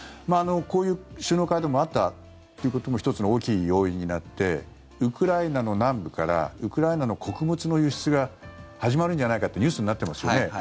こういう首脳会談もあったということも１つの大きい要因になってウクライナの南部からウクライナの穀物の輸出が始まるんじゃないかってニュースになってますよね。